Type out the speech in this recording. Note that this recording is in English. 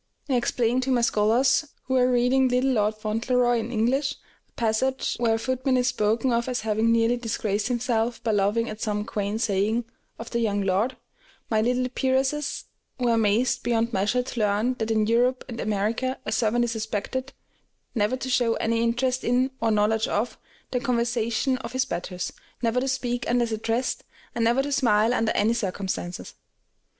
In explaining to my scholars, who were reading "Little Lord Fauntleroy" in English, a passage where a footman is spoken of as having nearly disgraced himself by laughing at some quaint saying of the young lord, my little peeresses were amazed beyond measure to learn that in Europe and America a servant is expected never to show any interest in, or knowledge of, the conversation of his betters, never to speak unless addressed, and never to smile under any circumstances.